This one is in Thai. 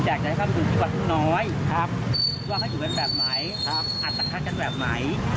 ผมจะอาจจะให้เข้าไปดูดีกว่าน้อยว่าเขาอยู่กันแบบไหมอัตภัทรกันแบบไหม